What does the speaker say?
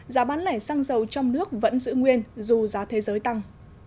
giá bán lẻ xăng dầu trong nước vẫn giữ nguyên dù giá thế giới tăng